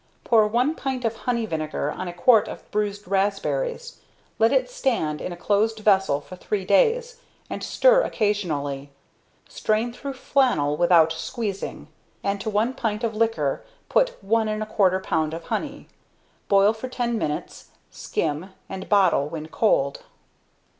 ~ Pour 1 pint of honey vinegar on a quart of bruised raspberries. Let it stand in a closed vessel for three days, and stir occasionally. Strain through flannel without squeezing, and to 1 pint of liquor put 1 1/4 lb. of honey. Boil for ten minutes, skim, and bottle when cold.